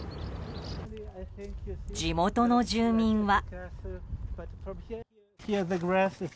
地元の住民は。